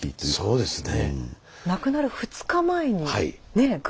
そうですね。